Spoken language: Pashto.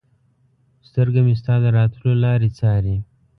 سترګې مې ستا د راتلو لارې څاري